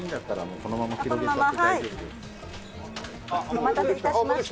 お待たせ致しました。